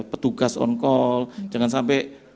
petugas on call jangan sampai